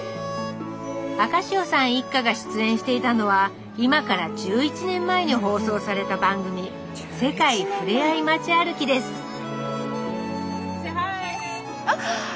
アカシオさん一家が出演していたのは今から１１年前に放送された番組「世界ふれあい街歩き」ですあっ！